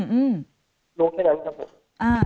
รู้แค่นั้นครับผม